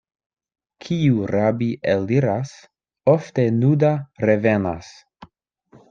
Kiu rabi eliras, ofte nuda revenas.